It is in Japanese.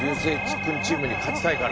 君チームに勝ちたいからね。